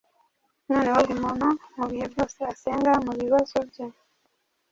Noneho buri muntu, mubihe byose, Asenga mubibazo bye,